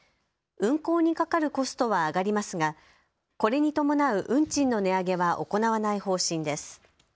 運航にかかるコストは上がりますが、これに伴う運賃の値上げは行わない方針です。